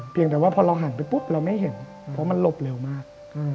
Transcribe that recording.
แต่ว่าพอเราหันไปปุ๊บเราไม่เห็นเพราะมันหลบเร็วมาก